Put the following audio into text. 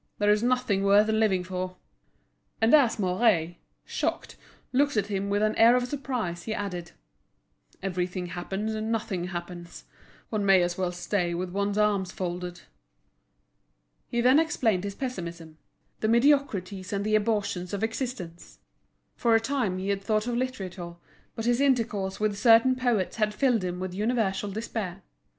There is nothing worth living for." And as Mouret, shocked, looked at him with an air of surprise, he added: "Everything happens and nothing happens; one may as well stay with one's arms folded." He then explained his pessimism—the mediocrities and the abortions of existence. For a time he had thought of literature, but his intercourse with certain poets had filled him with universal despair.